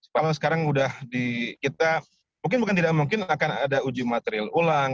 kalau sekarang sudah di kita mungkin bukan tidak mungkin akan ada uji materil ulang